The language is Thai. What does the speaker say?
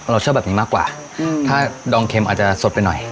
เชื่อแบบนี้มากกว่าถ้าดองเค็มอาจจะสดไปหน่อย